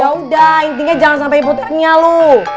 yaudah intinya jangan sampe hipoteknya lu